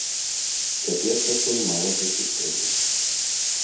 Цяпер такое мала дзе сустрэнеш.